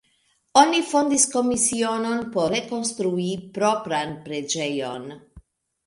Oni fondis komisionon por konstrui propran preĝejon.